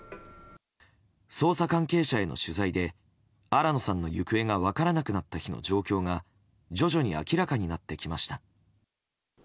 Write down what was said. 捜査関係者への取材で新野さんの行方が分からなくなった日の状況が徐々に明らかになってきました。